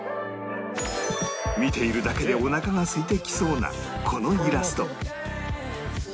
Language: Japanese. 見ているだけでお腹がすいてきそうなこのイラスト